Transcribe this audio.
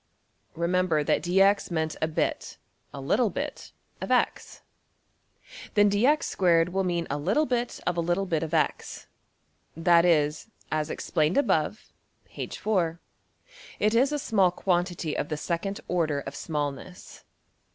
Remember that $dx$ meant a bit a little bit of~$x$. Then $(dx)^2$~will mean a little bit of a little bit of~$x$; that is, as explained above (\Pageref{smallness}), it is a small quantity of the second order of smallness.